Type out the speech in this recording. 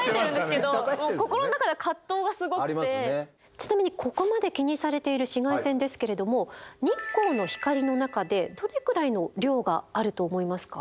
ちなみにここまで気にされている紫外線ですけれども日光の光の中でどれくらいの量があると思いますか？